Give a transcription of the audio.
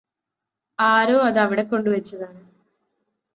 ആരോ അതവിടെ കൊണ്ടുവച്ചതാണ്